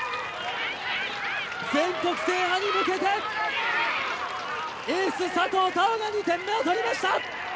全国制覇に向けてエースの佐藤泰旺が２点目を取りました。